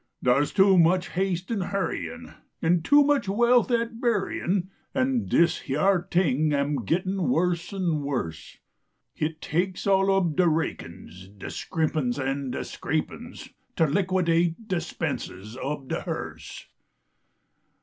Dar s too much haste an 1 hurryin , An too much wealth at buiyin , An dis hyar t ing am gettin worse an worse, Hit takes all ob de rakin s, De scrimpin s an de scrapin s To liquidate de spenses ob de hearse.